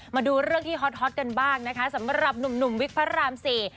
มาดูเรื่องที่ฮอตกันบ้างนะคะสำหรับหนุ่มวิกพระรามสี่